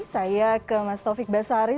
saya ke mas taufik basari